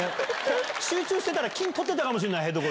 集中してたら金取ってたかもしんない。